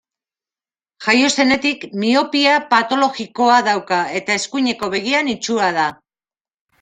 Jaio zenetik miopia-patologikoa dauka eta eskuineko begian itsua da.